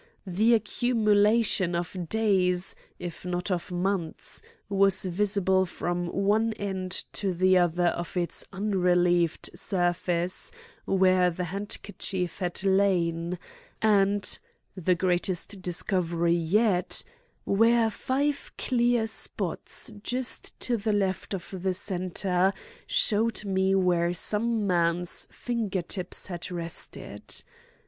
The accumulation of days, if not of months, was visible from one end to the other of its unrelieved surface save where the handkerchief had lain, and—the greatest discovery yet—where five clear spots just to the left of the center showed where some man's finger tips had rested.